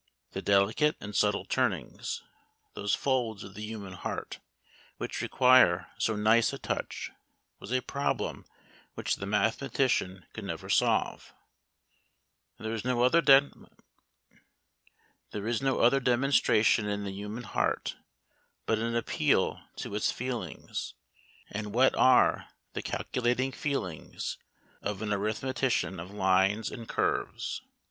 The delicate and subtle turnings, those folds of the human heart, which require so nice a touch, was a problem which the mathematician could never solve. There is no other demonstration in the human heart, but an appeal to its feelings: and what are the calculating feelings of an arithmetician of lines and curves?